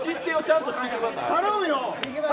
頼むよ。